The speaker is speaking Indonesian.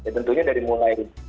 tentunya dari mulai